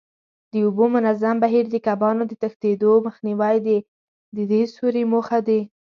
د اوبو منظم بهیر، د کبانو د تښتېدو مخنیوی د دې سوري موخه ده.